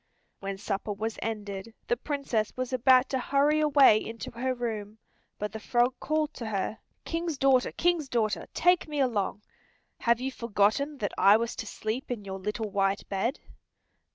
When supper was ended the Princess was about to hurry away to her room, but the frog called to her, "King's daughter, King's daughter, take me along. Have you forgotten that I was to sleep in your little white bed?"